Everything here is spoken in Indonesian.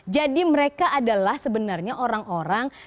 jadi mereka adalah sebenarnya orang orang